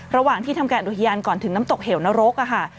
ระหว่างที่ทำการอุทยานก่อนถึงน้ำตกเหวนรกค่ะ